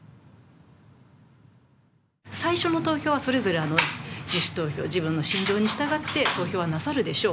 最初の投票はそれぞれ自主投票、自分の信条に従って投票なさるでしょう。